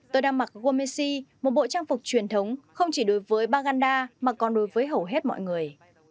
tôi đang mặc gomesi một bộ trang phục truyền thống không chỉ đối với baganda mà còn đối với hầu hết mọi người